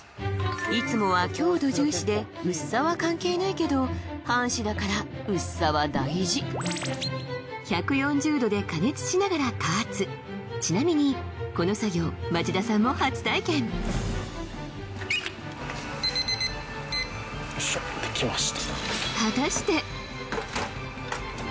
いつもは強度重視で薄さは関係ないけど半紙だから薄さは大事１４０度で加熱しながら加圧ちなみにこの作業町田さんも初体験よっしゃできました